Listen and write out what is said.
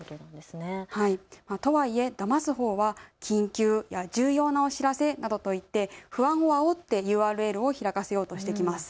とはいえ、だますほうは緊急や重要なお知らせなどと言って不安をあおってＵＲＬを開かせようとしてきます。